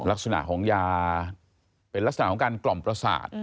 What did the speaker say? ลักษณะของยาเป็นลักษณะของการกล่อมประสาท